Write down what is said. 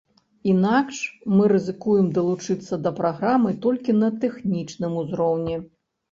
Інакш мы рызыкуем далучыцца да праграмы толькі на тэхнічным узроўні.